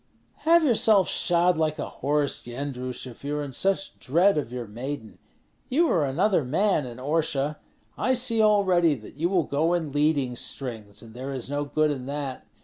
"Have yourself shod like a horse, Yendrus, if you are in such dread of your maiden. You were another man in Orsha. I see already that you will go in leading strings, and there is no good in that.